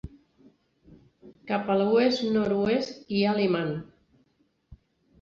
Cap a l'oest-nord-oest hi ha Lyman.